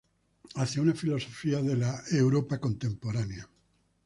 Hacia una filosofía de la Europa contemporánea".